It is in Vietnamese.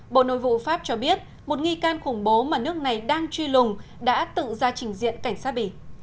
bộ nội vụ pháp cho biết một nghi can khủng bố mà nước này đang truy lùng đã tự ra trình diện cảnh sát bỉ